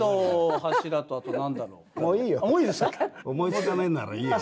思いつかねえんならいいよ。